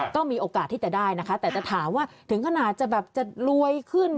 ก็มีโอกาสที่จะได้นะคะแต่จะถามว่าถึงขนาดจะแบบจะรวยขึ้น